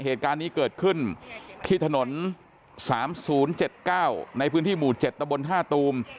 เหตุการณ์นี้เกิดขึ้นที่ถนน๓๐๗๙ในพื้นที่หมู่๗ตะบนท่าตูม